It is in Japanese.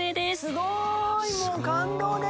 すごいもう感動です。